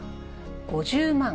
５０万。